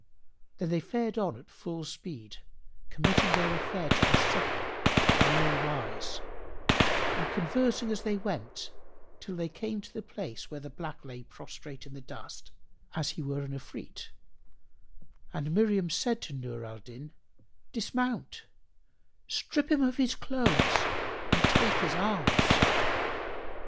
Then they fared on at full speed, committing their affair to the Subtle, the All wise and conversing as they went, till they came to the place where the black lay prostrate in the dust, as he were an Ifrit, and Miriam said to Nur al Din, "Dismount; strip him of his clothes and take his arms."